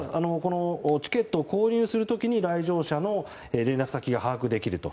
チケットを購入する時に来場者の連絡先が控えられると。